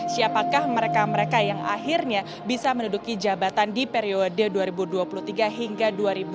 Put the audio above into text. siapakah mereka mereka yang akhirnya bisa menduduki jabatan di periode dua ribu dua puluh tiga hingga dua ribu dua puluh